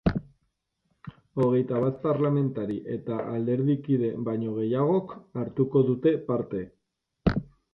Hogei bat parlamentari eta alderdikide baino gehiagok hartuko dute parte.